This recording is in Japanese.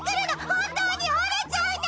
本当に折れちゃうの！